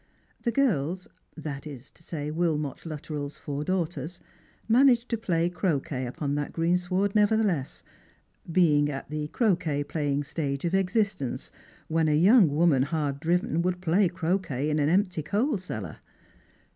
The girls — that is to say, Wilmot Luttrell's four daughters — managed to play croquet upon that greensward nevertheless, being at the croquet playing stage of existence, whesi a young woman hard driven would play croquet in an empty coal cellar.